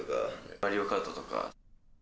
マリオカートとか。